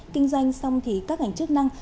kinh doanh xong thì các ngành chức năng